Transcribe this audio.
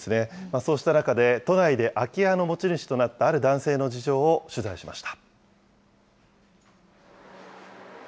そうした中で、都内で空き家の持ち主となったある男性の事情を取材しました。